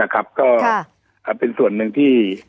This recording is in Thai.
ก็เป็นส่วนหนึ่งที่